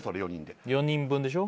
４人分でしょ。